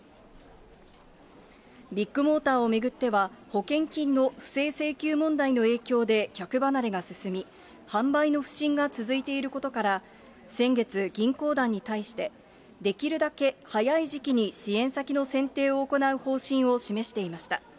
ビッグモーターを巡っては、保険金の不正請求問題の影響で客離れが進み、販売の不振が続いていることから、先月、銀行団に対して、できるだけ早い時期に支援先の選定を行う方針を示していました。